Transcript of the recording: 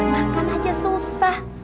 makan aja susah